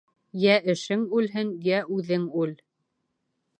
Йә эшең үлһен, йә үҙең үл.